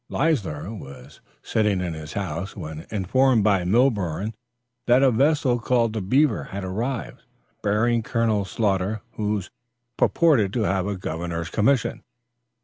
Leisler was sitting in his house when informed by Milborne that a vessel called The Beaver had arrived, bearing Colonel Sloughter, who purported to have a governor's commission.